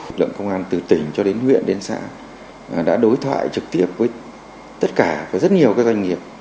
lực lượng công an từ tỉnh cho đến huyện đến xã đã đối thoại trực tiếp với tất cả và rất nhiều doanh nghiệp